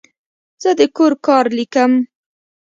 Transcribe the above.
زه د کور کار لیکم.